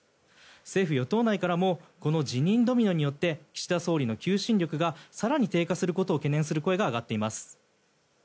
政府・与党内からもこの辞任ドミノによって岸田総理の求心力が更に低下することを懸念する声が上がっています。